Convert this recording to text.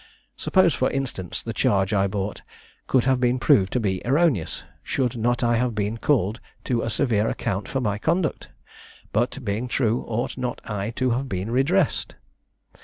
Suppose, for instance, the charge I brought could have been proved to be erroneous, should not I have been called to a severe account for my conduct? But, being true, ought not I to have been redressed?